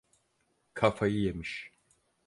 Kafayı yemiş.